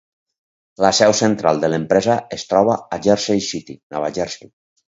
La seu central de l'empresa es troba a Jersey City, Nova Jersey.